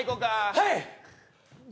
はい！